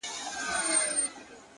دا اوبه اورونو کي راونغاړه-